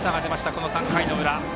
この３回の裏。